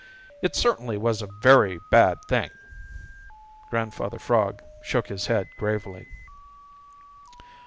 It certainly was a very bad thing." Grandfather Frog shook his head gravely.